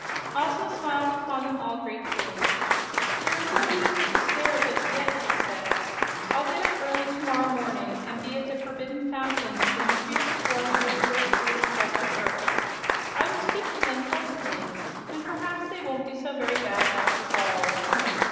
Ozma smiled upon them all gratefully. "There is no need to despair just yet," she said. "I'll get up early to morrow morning and be at the Forbidden Fountain when the fierce warriors break through the crust of the earth. I will speak to them pleasantly and perhaps they won't be so very bad, after all."